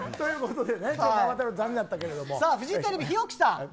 フジテレビの日置さん。